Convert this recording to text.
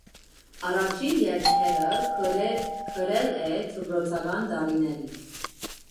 Առաջին երգերը գրել է դպրոցական տարիներին։